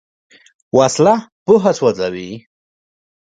وسله پوهه سوځوي